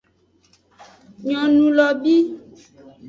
Nyonu lo bi.